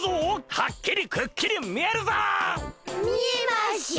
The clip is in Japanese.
はっきりくっきり見えるぞっ！